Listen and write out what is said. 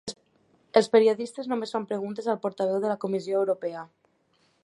Els periodistes només fan preguntes al portaveu de la Comissió Europea